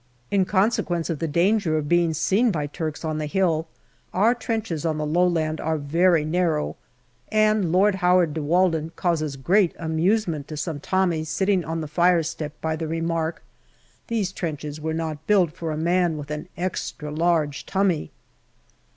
In consequence of the danger of being seen by Turks on the hill, our trenches on the low land are very narrow, and Lord Howard de Walden causes great amusement to some Tommies sitting on the fire step by the remark, " These trenches were not built for a man with an extra large tummy."